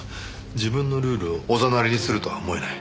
自分のルールをおざなりにするとは思えない。